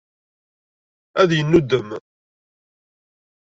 Ad yennuddem.